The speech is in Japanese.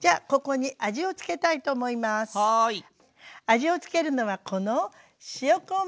味を付けるのはこの塩昆布！